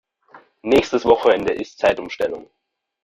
Nächstes Wochenende ist Zeitumstellung.